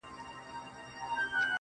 • كه به زما په دعا كيږي.